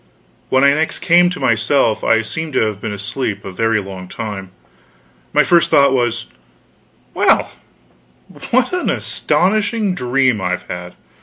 When I next came to myself, I seemed to have been asleep a very long time. My first thought was, "Well, what an astonishing dream I've had!